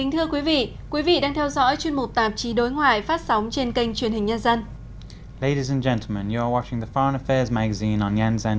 thưa quý vị quý vị đang theo dõi chuyên mục tạp chí đối ngoại phát sóng trên kênh truyền hình nhân dân